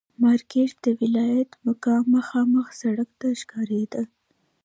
مارکېټ د ولایت مقام مخامخ سړک ته ښکارېده.